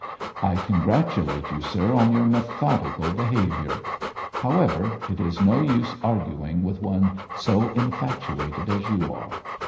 'I congratulate you, sir, on your methodical behaviour. However, it is no use arguing with one so infatuated as you are.